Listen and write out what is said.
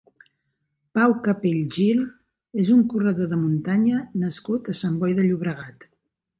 Pau Capell Gil és un corredor de muntanya nascut a Sant Boi de Llobregat.